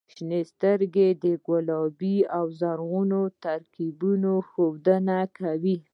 • شنې سترګې د ګلابي او زرغوني ترکیب ښودنه کوي.